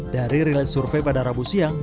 dari rilis survei pada rabu siang